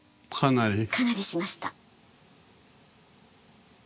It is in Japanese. かなりしました。